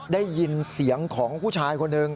ได้ยินเสียงของผู้ชายคนหนึ่ง